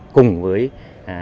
cùng với địa phương